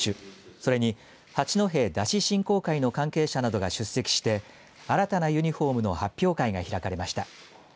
それに、はちのへ山車振興会の関係者などが出席して、新たなユニフォームの発表会が開かれました。